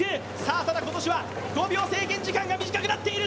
ただ、今年は５秒、制限時間が短くなっている。